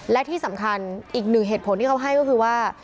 และที่สำคัญอีกหนึ่งเหตุผลที่เขาให้ก็คือว่า